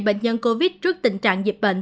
bệnh nhân covid trước tình trạng dịch bệnh